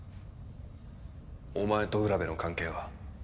お前と占部の関係は？